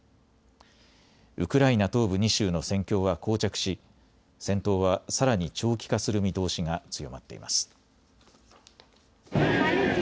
ウクライナ東部２州の戦況はこう着し戦闘はさらに長期化する見通しが強まっています。